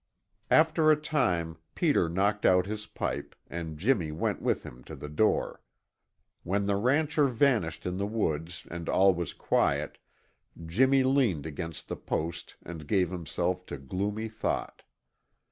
After a time Peter knocked out his pipe and Jimmy went with him to the door. When the rancher vanished in the woods and all was quiet Jimmy leaned against the post and gave himself to gloomy thought.